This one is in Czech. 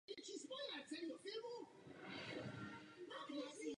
Pro svou strategickou polohu byla šíje v několika válkách dějištěm významných bitev.